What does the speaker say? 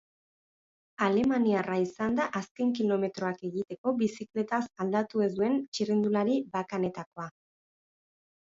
Alemaniarra izan da azken kilometroak egiteko bizikletaz aldatu ez duen txirrindulari bakanetakoa.